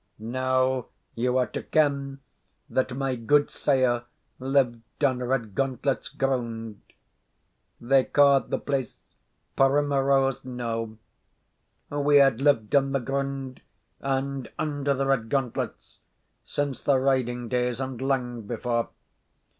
Now you are to ken that my gudesire lived on Redgauntlet's grund they ca' the place Primrose Knowe. We had lived on the grund, and under the Redgauntlets, since the riding days, and lang before.